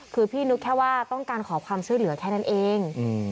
คือพี่นึกแค่ว่าต้องการขอความช่วยเหลือแค่นั้นเอง